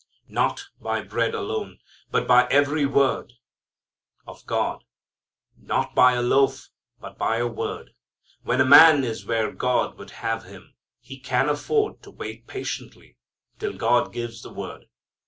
"Not by bread alone, but by every word ... of God." Not by a loaf, but by a word. When a man is where God would have him, he can afford to wait patiently till God gives the word.